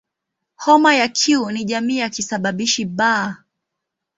Homa ya Q ni jamii ya kisababishi "B".